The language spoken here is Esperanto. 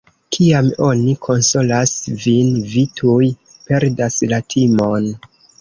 Kiam oni konsolas vin, vi tuj perdas la timon.